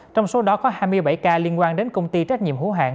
trong số đó có hai mươi bảy ca liên quan đến công ty trách nhiệm hữu hạng